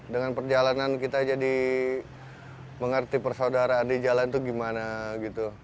dengan perjalanan kita jadi mengerti persaudaraan di jalan itu gimana gitu